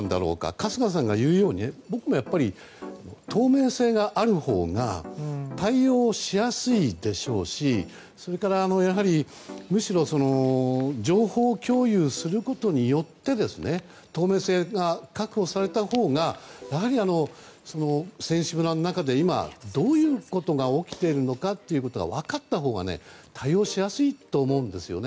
春日さんが言うように僕も、やっぱり透明性があるほうが対応しやすいでしょうしそれからむしろ情報共有することによって透明性が確保されたほうがやはり、選手村の中で今、どういうことが起きているのかということが分かったほうが対応しやすいと思うんですね。